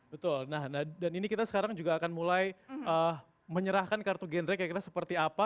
betul nah dan ini kita sekarang juga akan mulai menyerahkan kartu gendre kayak kita seperti apa